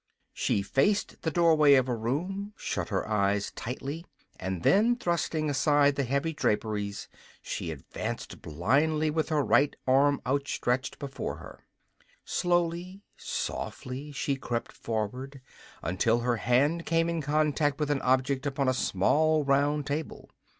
She faced the doorway of a room, shut her eyes tightly, and then, thrusting aside the heavy draperies, she advanced blindly with her right arm outstretched before her. Slowly, softly she crept forward until her hand came in contact with an object upon a small round table.